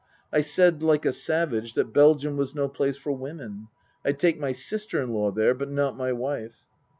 I said, like a savage, that Belgium was no place for women. I'd take my sister in law there, but not my wife.